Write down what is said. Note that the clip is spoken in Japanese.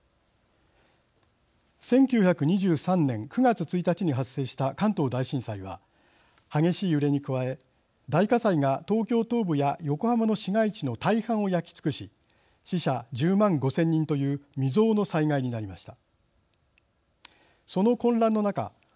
１９２３年９月１日に発生した関東大震災は激しい揺れに加え大火災が東京東部や横浜の市街地の大半を焼き尽くし死者１０万５，０００人という未曽有の災害になりました。